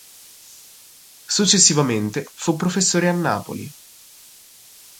Successivamente fu professore a Napoli.